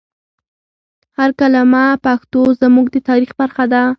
هر کلمه پښتو زموږ د تاریخ برخه ده.